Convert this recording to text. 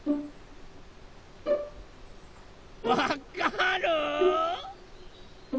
・わかる？